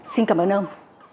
xin cảm ơn ông